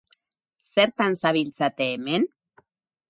Zertan zabiltzate hemen?